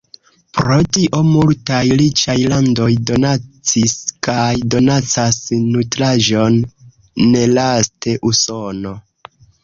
Pro tio multaj riĉaj landoj donacis kaj donacas nutraĵon, nelaste Usono.